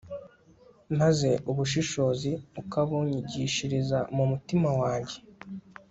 maze ubushishozi ukabunyigishiriza mu mutima wanjye